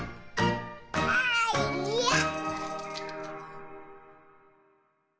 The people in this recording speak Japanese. あいやっ！